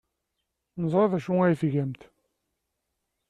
Neẓra d acu ay tgamt.